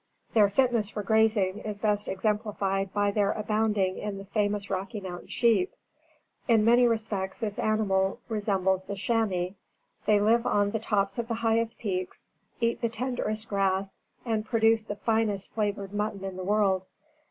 Their fitness for grazing is best exemplified by their abounding in the famous Rocky Mountain sheep. In many respects this animal resembles the chamois. They live on the tops of the highest peaks, eat the tenderest grass, and produce the finest flavored mutton in the world.